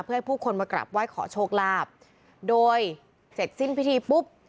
เพื่อให้ผู้คนมากราบไหว้ขอโชคลาภโดยเสร็จสิ้นพิธีปุ๊บ